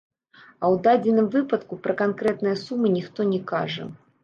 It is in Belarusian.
А ў дадзеным выпадку пра канкрэтныя сумы ніхто не кажа.